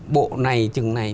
bộ này chừng này